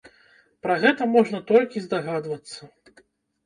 Пра гэта можна толькі здагадвацца.